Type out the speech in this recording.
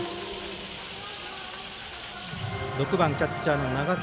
６番、キャッチャーの長澤。